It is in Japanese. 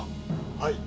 はい。